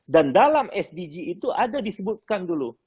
dan dalam sdg itu ada disebutkan dulu